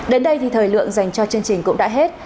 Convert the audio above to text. đến đây thì thời lượng dành cho chương trình cũng đã hết